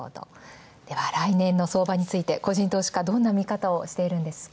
では、来年の相場について個人投資家はどんな見方をしているんですか？